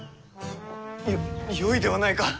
よよいではないか。